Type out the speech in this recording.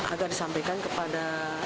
agar disampaikan kepada